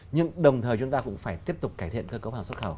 nhưng đồng thời chúng ta cũng phải tiếp tục cải thiện cơ cấu hàng xuất khẩu